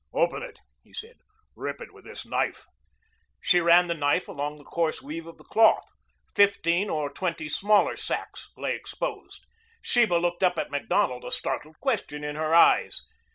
"Open it," he said. "Rip it with this knife." She ran the knife along the coarse weave of the cloth. Fifteen or twenty smaller sacks lay exposed. Sheba looked up at Macdonald, a startled question in her eyes.